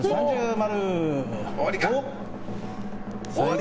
丸。